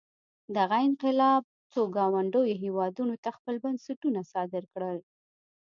دغه انقلاب څو ګاونډیو هېوادونو ته خپل بنسټونه صادر کړل.